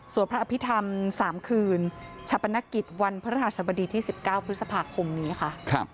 พระอภิษฐรรม๓คืนชาปนกิจวันพระหัสบดีที่๑๙พฤษภาคมนี้ค่ะ